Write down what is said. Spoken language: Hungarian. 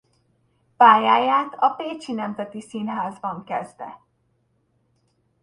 Pályáját a Pécsi Nemzeti Színházban kezde.